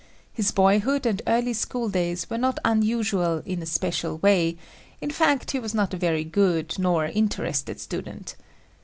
His boyhood and early school days were not unusual in any special way; in fact, he was not a very good nor interested student.